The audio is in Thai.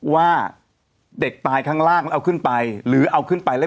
ว่าเด็กตายข้างล่างแล้วเอาขึ้นไปหรือเอาขึ้นไปแล้ว